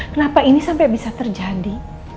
kenapa ini sampai bisa terjadi